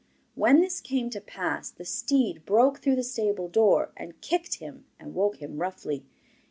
When this came to pass the steed broke through the stable door, and kicked him and woke him roughly.